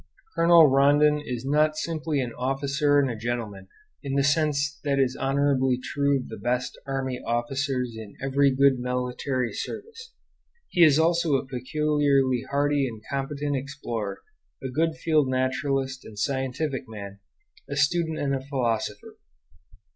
Colonel Rondon is not simply "an officer and a gentleman" in the sense that is honorably true of the best army officers in every good military service. He is also a peculiarly hardy and competent explorer, a good field naturalist and scientific man, a student and a philosopher.